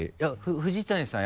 藤谷さん